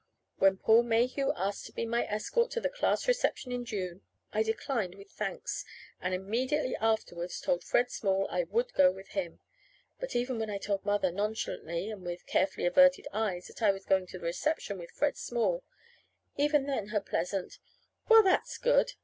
When Paul Mayhew asked to be my escort to the class reception in June, I declined with thanks, and immediately afterwards told Fred Small I would go with him. But even when I told Mother nonchalantly, and with carefully averted eyes, that I was going to the reception with Fred Small even then her pleasant "Well, that's good!"